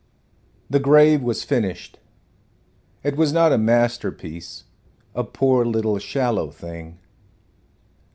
The grave was finished, It was not a masterpiece a poor little shallow thing.